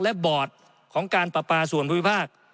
และบอร์ดของการปราปาส่วนภูมิภาค